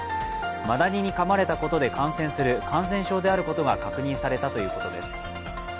マダニにかまれたことで感染する感染症であることが確認されたということです